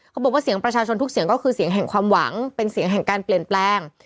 บอกว่าเสียงประชาชนทุกเสียงก็คือเสียงแห่งความหวังเป็นเสียงแห่งการเปลี่ยนแปลง